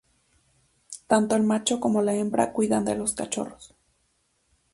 Tanto el macho como la hembra cuidan de los cachorros.